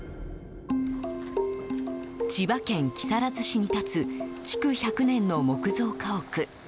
千葉県木更津市に立つ築１００年の木造家屋。